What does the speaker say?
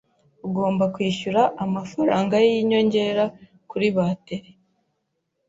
Ugomba kwishyura amafaranga yinyongera kuri bateri.